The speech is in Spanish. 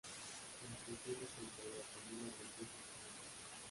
Las tensiones entre las familias empiezan a aumentar.